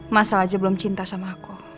masa aja belum cinta sama aku